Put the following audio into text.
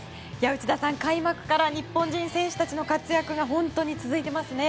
内田さん、開幕から日本人選手たちの活躍が続いていますね。